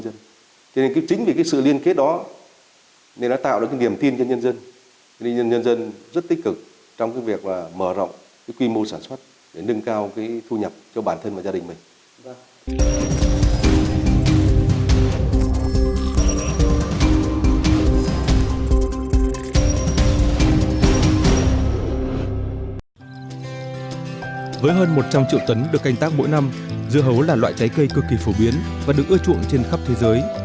với hơn một trăm linh triệu tấn được canh tác mỗi năm dưa hấu là loại trái cây cực kỳ phổ biến và được ưa chuộng trên khắp thế giới